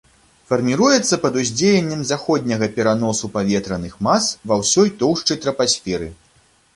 Фарміруецца пад уздзеяннем заходняга пераносу паветраных мас ва ўсёй тоўшчы трапасферы.